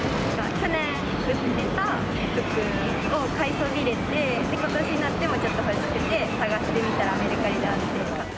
去年売ってた服を買いそびれて、ことしになってもちょっと欲しくて、探してみたら、メルカリにあって。